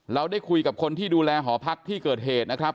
เราได้คุยกับคนที่ดูแลหอพักที่เกิดเหตุนะครับ